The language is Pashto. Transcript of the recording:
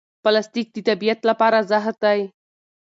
پلاستیک د طبیعت لپاره زهر دی.